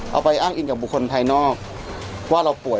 เอาไปอ้างอินกับบุคคลภายนอกว่าเราป่วย